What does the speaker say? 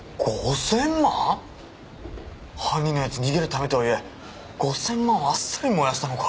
犯人のやつ逃げるためとはいえ５０００万をあっさり燃やしたのか。